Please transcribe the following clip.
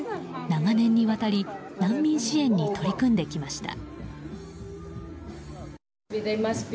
長年にわたり難民支援に取り組んできました。